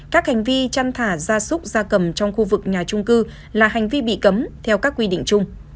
các hành vi chăn thả gia súc gia cầm trong khu vực nhà chung cư là hành vi bị cấm theo các quy định chung